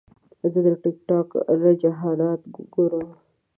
زه د ټک ټاک رجحانات ګورم.